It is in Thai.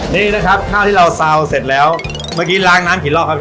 นี่นะครับข้าวที่เราซาวเสร็จแล้วเมื่อกี้ล้างน้ำกี่รอบครับพี่